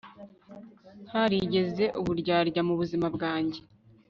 ntarigeze uburyarya mu buzima bwanjye